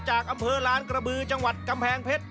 จากอำเภอลานกระบือจังหวัดกำแพงเพชร